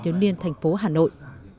thiếu niên thành phố hà nội